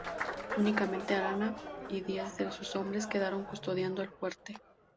Únicamente Arana y diez de sus hombres quedaron custodiando el fuerte.